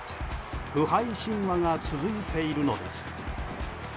不敗神話が続いているのです。